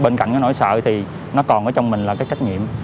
bên cạnh cái nỗi sợi thì nó còn ở trong mình là cái trách nhiệm